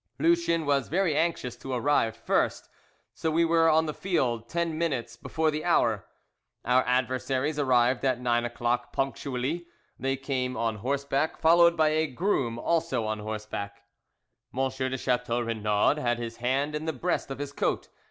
Lucien was very anxious to arrive first, so we were on the field ten minutes before the hour. Our adversaries arrived at nine o'clock punctually. They came on horseback, followed by a groom also on horseback. M. de Chateau Renaud had his hand in the breast of his coat.